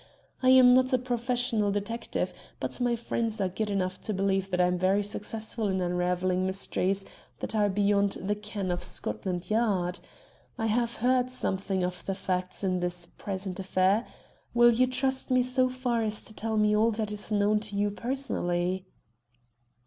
I am not a professional detective, but my friends are good enough to believe that I am very successful in unravelling mysteries that are beyond the ken of Scotland Yard. I have heard something of the facts in this present affair. Will you trust me so far as to tell me all that is known to you personally?"